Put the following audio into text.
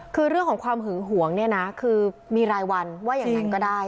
คือเรื่องของความหึงหวงเนี่ยนะคือมีรายวันว่าอย่างนั้นก็ได้